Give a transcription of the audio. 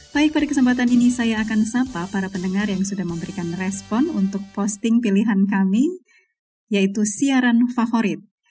baik pada kesempatan ini saya akan sapa para pendengar yang sudah memberikan respon untuk posting pilihan kami yaitu siaran favorit